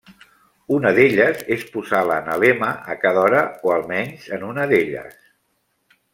Una d'elles és posar l'analema a cada hora o almenys en una d'elles.